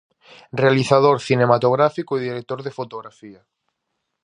Realizador cinematográfico e director de fotografía.